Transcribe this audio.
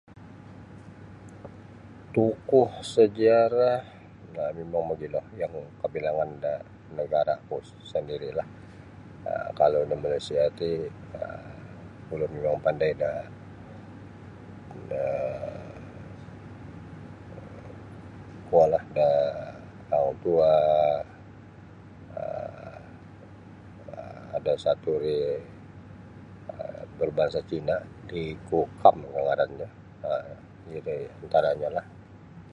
Tokoh sejarah ino mimang mogilo yang kabilangan da nagara'ku sandiri'lah um kalau da Malaysia ti um ulun mimang mapandai da da um kuolah da Hang Tuah um ada satu ri um berbangsa Cina' Lee Ku Kam kah ngarannyo um iri antaranyolah.